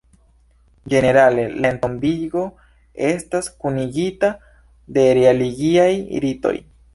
Ĝenerale, la entombigo estas kunigita de religiaj ritoj.